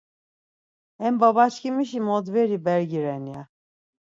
Hem baba çkimişi modveri bergi ren ya.